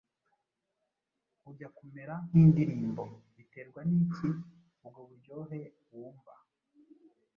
ujya kumera nk’indirimbo. Biterwa n’iki? Ubwo buryohe wumva